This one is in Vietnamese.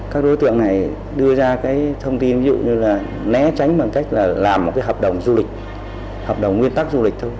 các đối tượng này đưa ra cái thông tin ví dụ như là né tránh bằng cách là làm một cái hợp đồng du lịch hợp đồng nguyên tắc du lịch thôi